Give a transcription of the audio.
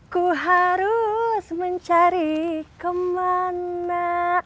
ku harus mencari kemana